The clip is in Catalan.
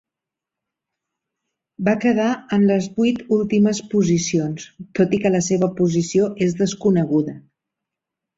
Va quedar en les vuit últimes posicions, tot i que la seva posició és desconeguda.